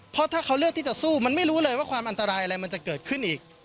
เพราะถ้าเขาเลือกที่จะสู้มันไม่รู้เลยว่าความอันตรายอะไรมันจะเกิดขึ้นอีก